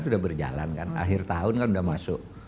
sudah berjalan kan akhir tahun kan sudah masuk